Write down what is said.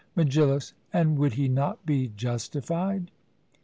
MEGILLUS: And would he not be justified?